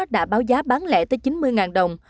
đã báo giá bán lẻ tới chín mươi đồng